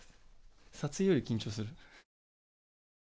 撮影より緊張する。